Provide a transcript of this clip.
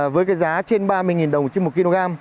với cái giá trên ba mươi đồng trên một kg